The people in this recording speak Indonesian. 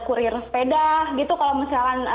kurir sepeda gitu kalau misalkan